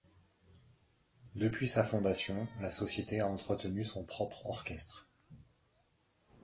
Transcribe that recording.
Depuis sa fondation la société a entretenu son propre orchestre.